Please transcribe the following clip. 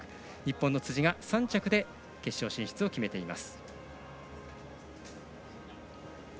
日本の辻が３着で決勝進出を決めています。